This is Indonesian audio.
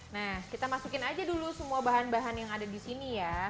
nah kita masukin aja dulu semua bahan bahan yang ada di sini ya